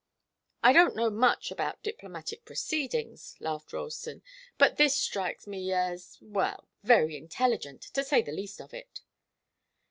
"I don't know much about diplomatic proceedings," laughed Ralston, "but this strikes me as well very intelligent, to say the least of it."